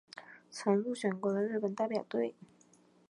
曾入选过的日本代表队。